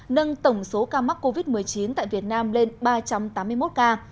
nâng tổng số ca mắc covid một mươi chín tại việt nam lên ba trăm tám mươi một ca